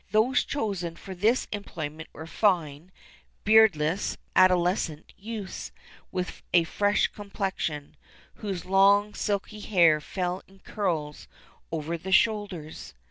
Those chosen for this employment were fine, beardless, adolescent youths, with a fresh complexion, whose long silky hair fell in curls over the shoulders.